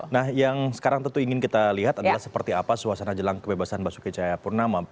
nah yang sekarang tentu ingin kita lihat adalah seperti apa suasana jelang kebebasan basuki cahayapurnama